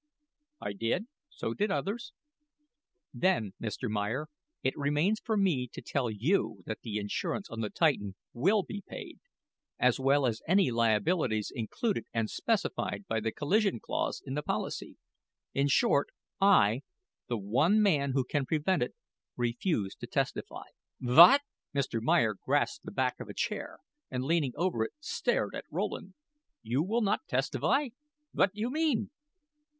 "I did so did others." "Then, Mr. Meyer, it remains for me to tell you that the insurance on the Titan will be paid, as well as any liabilities included in and specified by the collision clause in the policy. In short, I, the one man who can prevent it, refuse to testify." "Vwhat a t?" Mr. Meyer grasped the back of a chair and, leaning over it, stared at Rowland. "You will not testify? Vwhat you mean?"